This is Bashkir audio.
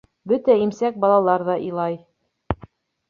Бөтә имсәк балалар ҙа илай.